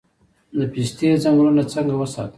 د پستې ځنګلونه څنګه وساتو؟